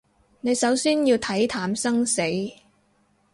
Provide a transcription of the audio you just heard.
你首先要睇淡生死